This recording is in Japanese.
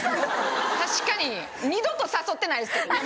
二度と誘ってないですけどね